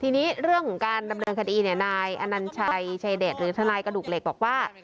ทีนี้เรื่องของการดำเนินคดีนายอนัญชัยชายเดชหรือทนายกระดูกเหล็กบอกว่า